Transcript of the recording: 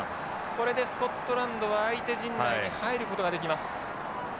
これでスコットランドは相手陣内に入ることができます。